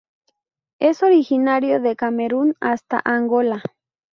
Es originario de Camerún hasta Angola.